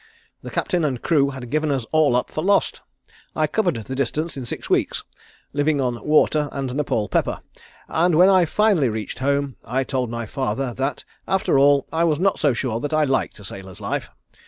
The captain and crew had given us all up for lost. I covered the distance in six weeks, living on water and Nepaul pepper, and when I finally reached home, I told my father that, after all, I was not so sure that I liked a sailor's life.